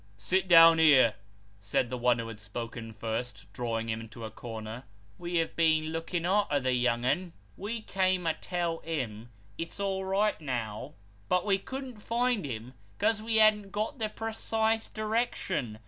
" Sit down here," said the one who had spoken first, drawing him into a corner. "We have been looking arter the young un. We came to tell him, it's all right now, but we couldn't find him 'cause we hadn't got the precise direction.